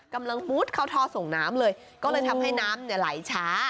มุดเข้าท่อส่งน้ำเลยก็เลยทำให้น้ำเนี่ยไหลช้า